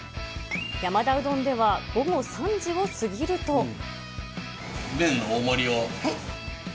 山田うどんでは、午後３時を過ぎ麺の大盛りを。